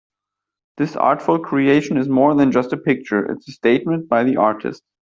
This artful creation is more than just a picture, it's a statement by the artist.